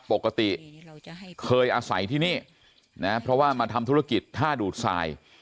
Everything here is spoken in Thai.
ปกติเคยอาศัยที่นี่นะเพราะว่ามาทำธุรกิจท่าดูดทราย